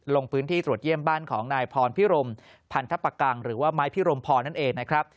ลงพื้นที่ตรวจเยี่ยมบ้านของนายพรพิรมพันธปกังหรือว่าไม้พิรมพรนั่นเองนะครับ